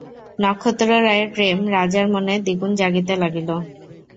নক্ষত্ররায়ের প্রেম রাজার মনে দ্বিগুণ জাগিতে লাগিল।